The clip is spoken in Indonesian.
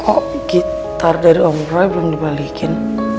kok gitar dari om prime belum dibalikin